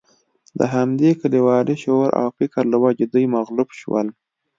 د همدې کلیوالي شعور او فکر له وجې دوی مغلوب شول.